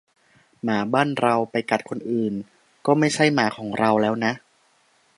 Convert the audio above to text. "หมาบ้านเรา ไปกัดคนอื่น ก็ไม่ใช่หมาของเราแล้วนะ"